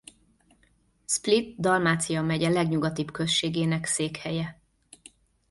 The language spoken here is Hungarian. Split-Dalmácia megye legnyugatibb községének székhelye.